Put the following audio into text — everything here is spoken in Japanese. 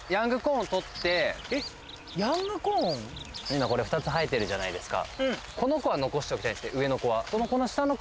今これ２つ生えてるじゃないですか。